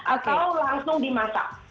atau langsung dimasak